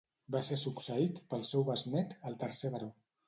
Va ser succeït pel seu besnét, el tercer baró.